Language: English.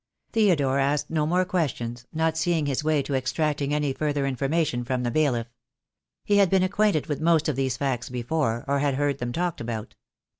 Theodore asked no more questions, not seeing his way to extracting any further information from the bailiff. He had been acquainted with most of these facts before, or had heard them talked about.